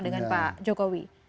dengan pak jokowi